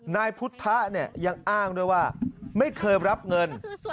นายพุทธะเนี่ยยังอ้างด้วยว่าไม่เคยรับเงิน